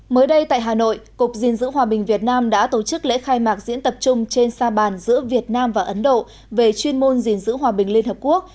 mới đây tại hà nội cục diên dữ hòa bình việt nam đã tổ chức lễ khai mạc diễn tập chung trên sa bàn giữa việt nam và ấn độ về chuyên môn gìn giữ hòa bình liên hợp quốc